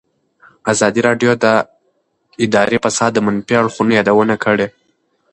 ازادي راډیو د اداري فساد د منفي اړخونو یادونه کړې.